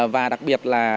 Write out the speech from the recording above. và đặc biệt là